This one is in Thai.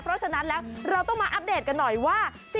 เพราะฉะนั้นแล้วเราต้องมาอัปเดตกันหน่อยว่า